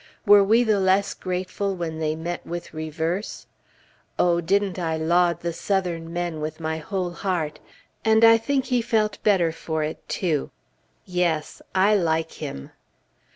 Were we the less grateful when they met with reverse? Oh, didn't I laud the Southern men with my whole heart! and I think he felt better for it, too! Yes! I like him!